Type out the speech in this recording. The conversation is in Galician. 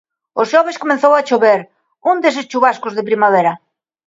O xoves comezou a chover, un deses chuvascos de primavera.